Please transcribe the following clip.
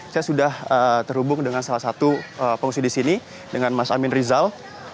saya sudah terhubung dengan salah satu pengungsi di sini dengan mas amin rizal